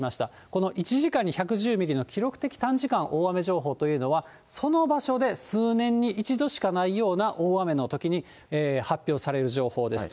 この１時間に１１０ミリの記録的短時間大雨情報というのは、その場所で数年に一度しかないような大雨のときに発表される情報です。